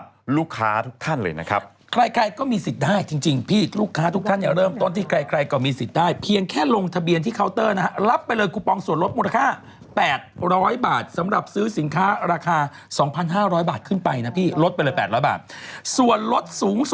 บ้านเล็กที่บ้านเล็กที่สี่สิบสี่หมู่สามกินแมวไปสามตัวโอ๊ย